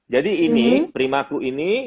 jadi ini primaku ini